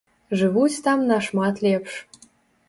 Жывуць там нашмат лепш.